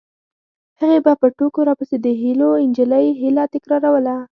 هغې به په ټوکو راپسې د هیلو نجلۍ جمله تکراروله